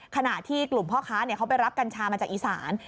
ขณะที่กลุ่มพ่อค้าเขาไปรับกัญชามาจากอีสาน